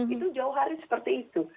itu jauh hari seperti itu